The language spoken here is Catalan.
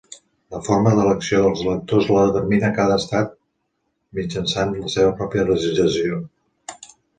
La forma d'elecció dels electors la determina cada estat mitjançant la seva pròpia legislació.